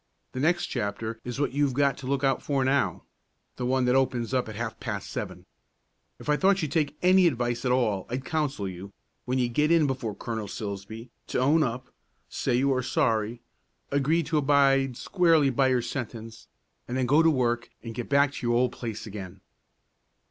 The next chapter is what you've got to look out for now, the one that opens up at half past seven. If I thought you'd take any advice at all, I'd counsel you, when you get in before Colonel Silsbee, to own up, say you are sorry, agree to abide squarely by your sentence, and then go to work and get back to your old place again."